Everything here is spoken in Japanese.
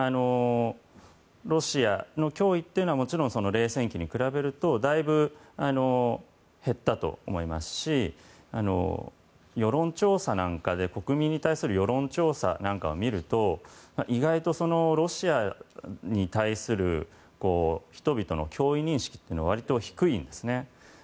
ロシアの脅威というのは冷戦期に比べるとだいぶ減ったと思いますし国民に対する世論調査なんかを見ると意外とロシアに対する人々の脅威認識というのは割と低いです。